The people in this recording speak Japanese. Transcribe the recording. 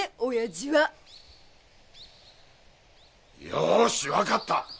よし分かった。